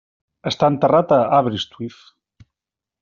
Està enterrat a Aberystwyth.